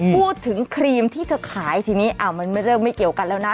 ครีมที่เธอขายทีนี้มันไม่เลิกไม่เกี่ยวกันแล้วนะ